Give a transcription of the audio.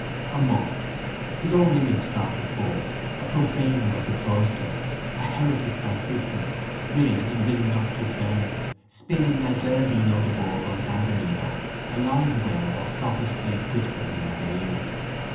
A monk! His own image started forth a profaner of the cloister, a heretic Franciscan, willing and willing not to serve, spinning like Gherardino da Borgo San Donnino, a lithe web of sophistry and whispering in her ear.